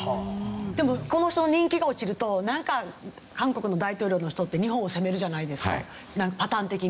でもこの人の人気が落ちるとなんか韓国の大統領の人って日本を責めるじゃないですかパターン的に。